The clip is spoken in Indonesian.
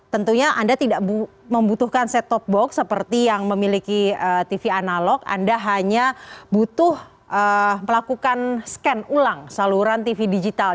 tentunya anda tidak membutuhkan set top box seperti yang memiliki tv analog anda hanya butuh melakukan scan ulang saluran tv digital